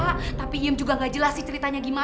tapi yeem juga gak jelas sih ceritanya gimana